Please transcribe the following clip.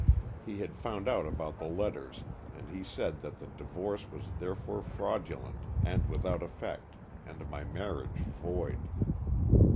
He had found out about the letters, and he said that the divorce was therefore fraudulent and without effect, and my marriage void."